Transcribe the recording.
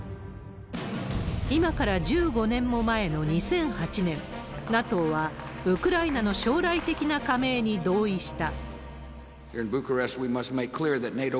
今から１５年も前の２００８年、ＮＡＴＯは、ウクライナの将来的な加盟に同意した。